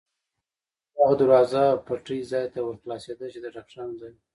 دغه دروازه پټۍ ځای ته ور خلاصېده، چې د ډاکټرانو ځای و.